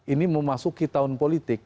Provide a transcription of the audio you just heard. ini memasuki tahun politik